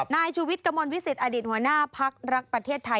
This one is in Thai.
นายชูวิทย์กระมวลวิสิตอดีตหัวหน้าพักรักประเทศไทย